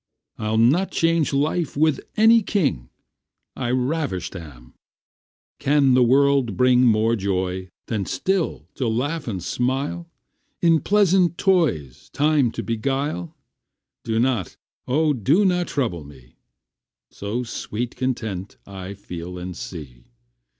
I'll not change life with any king, I ravisht am: can the world bring More joy, than still to laugh and smile, In pleasant toys time to beguile? Do not, O do not trouble me, So sweet content I feel and see.